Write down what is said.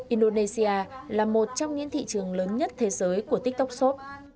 indonesia là một trong những thị trường lớn nhất thế giới của tiktok shop